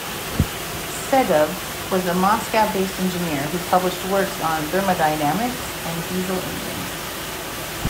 Sedov was a Moscow-based engineer who published works on thermodynamics and diesel engines.